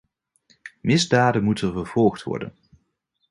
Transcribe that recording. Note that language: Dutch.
Misdaden moeten vervolgd worden.